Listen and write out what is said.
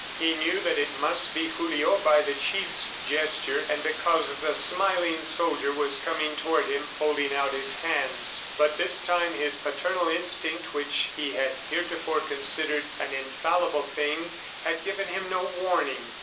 He knew that it must be Julio by the Chief's gesture and because the smiling soldier was coming toward him, holding out his hands; but this time his paternal instinct which he had heretofore considered an infallible thing, had given him no warning.